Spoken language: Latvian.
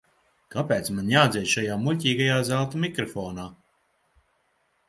Kāpēc man jādzied šajā muļķīgajā zelta mikrofonā?